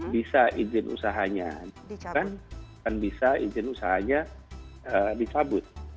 bisa izin usahanya dicabut